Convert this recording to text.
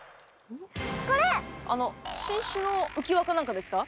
新種の浮き輪かなんかですか？